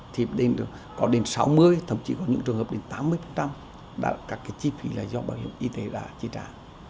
thì có đến sáu mươi thậm chí có những trường hợp đến tám mươi các cái chi phí là do bảo hiểm y tế đã chi trả